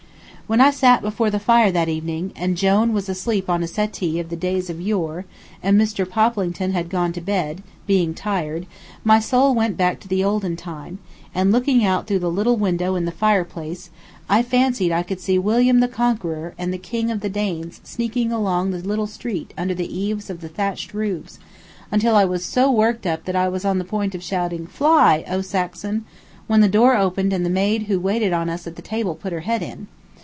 When I sat before the fire that evening, and Jone was asleep on a settee of the days of yore, and Mr. Poplington had gone to bed, being tired, my soul went back to the olden time, and, looking out through the little window in the fireplace, I fancied I could see William the Conqueror and the King of the Danes sneaking along the little street under the eaves of the thatched roofs, until I was so worked up that I was on the point of shouting, "Fly! oh, Saxon!" when the door opened and the maid who waited on us at the table put her head in.